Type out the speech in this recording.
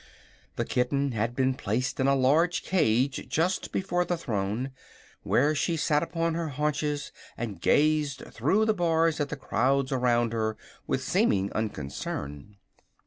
The kitten had been placed in a large cage just before the throne, where she sat upon her haunches and gazed through the bars at the crowds around her, with seeming unconcern.